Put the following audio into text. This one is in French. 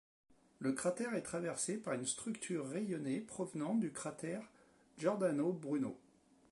Le cratère est traversé par une structure rayonnée provenant du cratère Giordano Bruno.